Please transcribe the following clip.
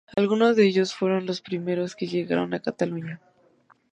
Algunos de ellos fueron los primeros que llegaron a Cataluña.